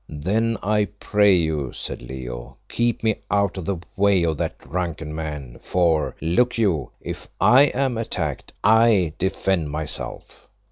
"Then I pray you," said Leo, "keep me out of the way of that drunken man, for, look you, if I am attacked I defend myself."